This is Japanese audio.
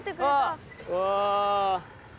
うわ。